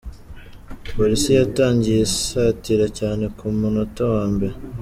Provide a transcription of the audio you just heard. Police yatangiye isatira cyane ku munota wa mbere.